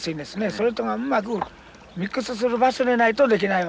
それとがうまくミックスする場所でないと出来ないわけです。